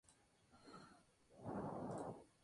Un Mall de la Fe?